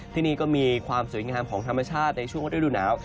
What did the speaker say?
ที่นี่ก็มีความสวยงามของธรรมชาติในช่วงฤดูหนาว